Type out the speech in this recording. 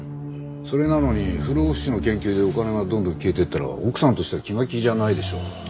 それなのに不老不死の研究でお金がどんどん消えていったら奥さんとしては気が気じゃないでしょ。